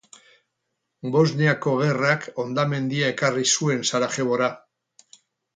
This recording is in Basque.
Bosniako Gerrak hondamendia ekarri zuen Sarajevora